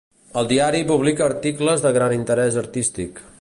El diari publica articles de gran interès artístic.